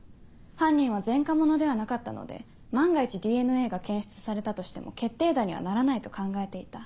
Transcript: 犯人は前科者ではなかったので万が一ＤＮＡが検出されたとしても決定打にはならないと考えていた。